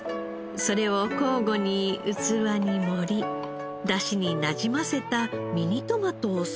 それを交互に器に盛りだしになじませたミニトマトを添え。